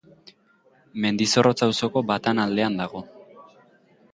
Mendizorrotz auzoko Batan aldean dago.